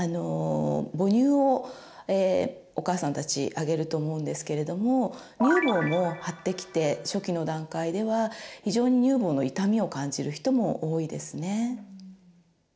母乳をお母さんたちあげると思うんですけれども乳房も張ってきて初期の段階では非常に乳房の痛みを感じる人も多いですね。